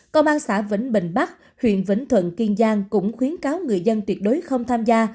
công an xã vĩnh bình bắc huyện vĩnh thuận kiên giang cũng khuyến cáo người dân tuyệt đối không tham gia